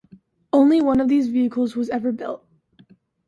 Only one of these vehicles was ever built.